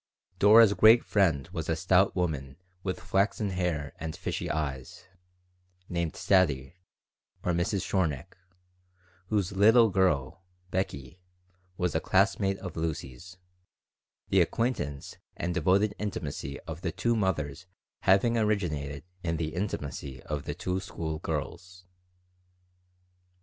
Dora's great friend was a stout woman with flaxen hair and fishy eyes, named Sadie, or Mrs. Shornik, whose little girl, Beckie, was a classmate of Lucy's, the acquaintance and devoted intimacy of the two mothers having originated in the intimacy of the two school girls.